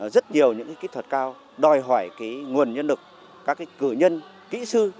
rất nhiều những kỹ thuật cao đòi hỏi nguồn nhân lực các cử nhân kỹ sư